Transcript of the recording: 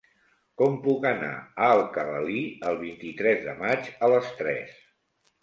Com puc anar a Alcalalí el vint-i-tres de maig a les tres?